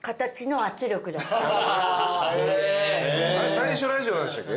最初ラジオなんでしたっけ？